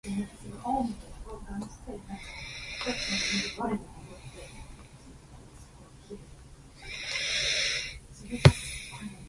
Two Japanese planes splashed-victims of "Van Valkenburgh"s direct fire-one only off the fantail.